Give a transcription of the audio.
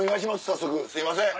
早速すいません。